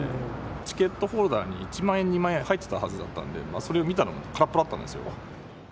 チケットホルダーに、１万円、２万円入ってたはずだったんで、それを見たときに空っぽだったんですよ。